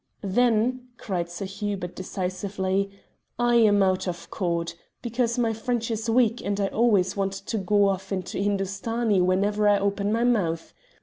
"Then," cried Sir Hubert decisively, "I am out of court, because my French is weak, and I always want to go off into Hindustani whenever I open my mouth.